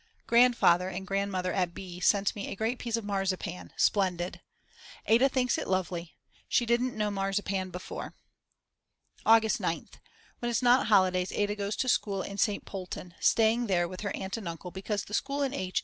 Grandfather and Grandmother at B. sent me a great piece of marzipan, splendid. Ada thinks it lovely; she didn't know marzipan before. August 9th. When it's not holidays Ada goes to school in St. Polten staying there with her aunt and uncle, because the school in H.